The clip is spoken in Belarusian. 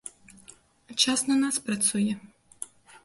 Час на нас працуе.